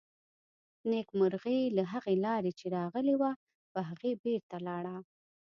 نېکمرغي له هغې لارې چې راغلې وه، په هغې بېرته لاړه.